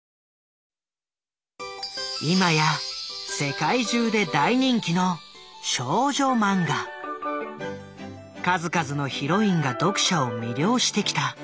今や世界中で大人気の数々のヒロインが読者を魅了してきた。